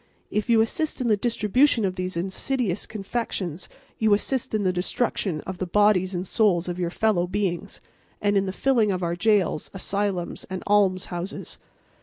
If you assist in the distribution of these insidious confections you assist in the destruction of the bodies and souls of your fellow beings, and in the filling of our jails, asylums and almshouses.